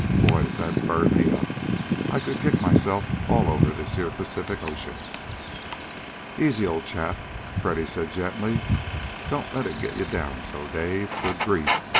Boy! Does that burn me up! I could kick myself all over this here Pacific Ocean!" "Easy, old chap," Freddy said gently. "Don't let it get you down so, Dave. Good grief!